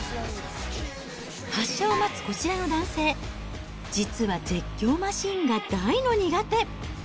発射を待つこちらの男性、実は絶叫マシンが大の苦手。